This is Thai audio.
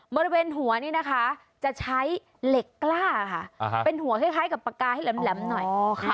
บริเวณหัวนี้นะคะจะใช้เหล็กกล้าค่ะเป็นหัวคล้ายกับปากกาให้แหลมหน่อย